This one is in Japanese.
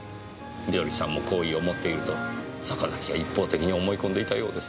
美登里さんも好意を持っていると坂崎が一方的に思い込んでいたようです。